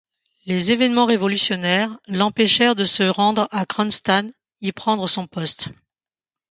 Les événements révolutionnaires l'empêchèrent de se rendre à Cronstadt y prendre son poste.